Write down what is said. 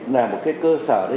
là một cơ sở